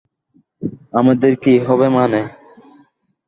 আমাদের কি হবে মানে?